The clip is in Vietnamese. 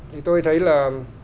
thì tôi thấy là